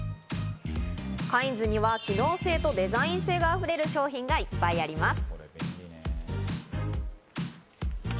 カインズには機能性とデザイン性が溢れる商品がいっぱいあります。